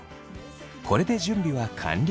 これで準備は完了。